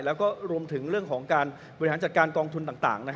แล้วก็รวมถึงเรื่องของการบริหารจัดการกองทุนต่าง